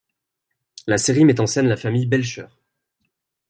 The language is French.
La série met en scène la famille Belcher.